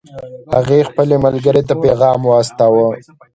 هغې خپل ملګرې ته پیغام واستاوه